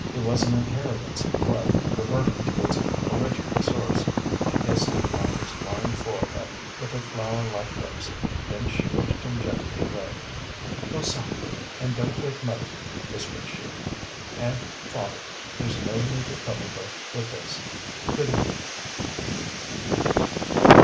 It was an inheritance of love reverting to its original source. She kissed him on his lined forehead with her flower like lips, then she pushed him gently away. "Go softly, and don't wake mother," whispered she; "and, father, there's no need to trouble her with this. Good night."